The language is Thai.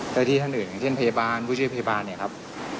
แล้วที่ท่านอื่นอย่างเช่นพยาบาลผู้เชี่ยวพยาบาล